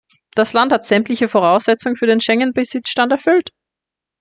Das Land hat sämtliche Voraussetzungen für den Schengen-Besitzstand erfüllt.